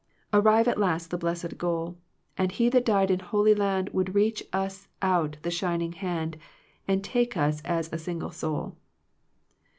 Arrive at last the blessed goal. And He that died in Holy Und Would reach us out the shining hand. And take us as a single soul.